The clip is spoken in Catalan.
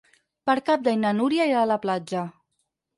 Per Cap d'Any na Núria irà a la platja.